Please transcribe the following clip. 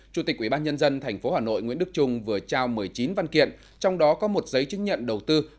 chủ tịch ubnd tp hà nội nguyễn đức trung vừa trao một mươi chín văn kiện trong đó có một giấy chứng nhận đầu tư